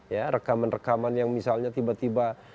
ya rekaman rekaman yang misalnya tiba tiba